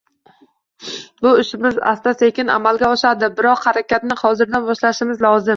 Bu ishimiz asta-sekin amalga oshadi, biroq harakatni hozirdan boshlashimiz lozim